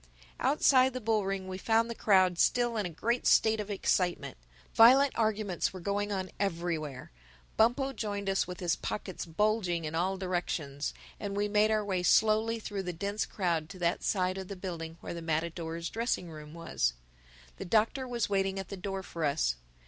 Outside the bull ring we found the crowd still in a great state of excitement. Violent arguments were going on everywhere. Bumpo joined us with his pockets bulging in all directions; and we made our way slowly through the dense crowd to that side of the building where the matadors' dressing room was. The Doctor was waiting at the door for us.